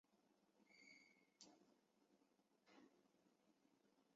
然而这五间小学仍然不能满足当地逐年增加的华裔人口。